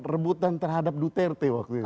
rebutan terhadap duterte waktu itu